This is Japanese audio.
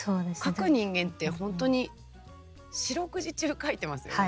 書く人間って本当に四六時中書いてますよね？